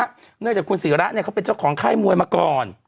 เนื่องจากคุณศิระเนี่ยเขาเป็นเจ้าของค่ายมวยมาก่อน